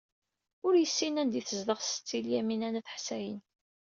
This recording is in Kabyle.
Ur yessin anda ay tezdeɣ Setti Lyamina n At Ḥsayen.